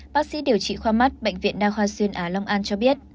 bác sĩ điều trị khoa mắt bệnh viện đa khoa xuyên á long an cho biết